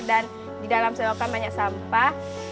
dan di dalam selokan banyak sampah